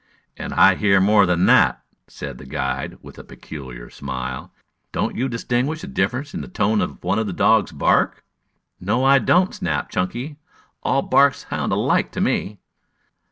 "And I hear more than that," said the guide, with a peculiar smile. "Don't you distinguish a difference in the tone of one of the dogs' bark?" "No, I don't," snapped Chunky. "All barks sound alike to me."